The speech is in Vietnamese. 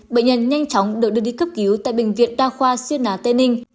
bệnh nhân nhanh chóng được đưa đi cấp cứu tại bệnh viện đa khoa xuyên á tây ninh